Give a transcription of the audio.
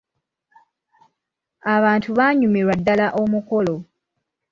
Abantu baanyumirwa ddala omukolo.